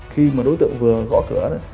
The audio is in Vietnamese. khi mà đối tượng vừa gõ cửa